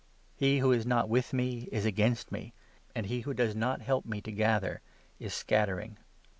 He who is not with me is against me, and he who does 30 not help me to gather is scattering.